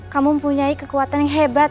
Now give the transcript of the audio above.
kamu mempunyai kekuatan yang hebat